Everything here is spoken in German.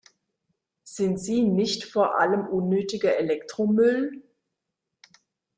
Sind sie nicht vor allem unnötiger Elektromüll?